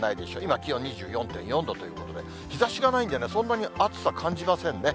今、気温２４．４度ということで、日ざしがないんでね、そんなに暑さ感じませんね。